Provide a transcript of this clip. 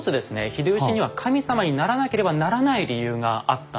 秀吉には神様にならなければならない理由があったんですね。